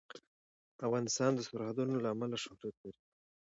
افغانستان د سرحدونه له امله شهرت لري.